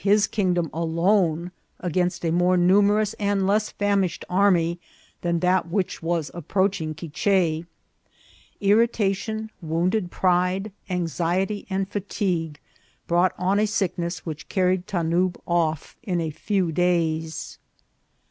his kingdom alone against a more numerous and less famished army than that which was approaching Quiche. Irritation, wounded pride, anxiety, and fatigue, brought on a sickness which carried Tanub off in a few days.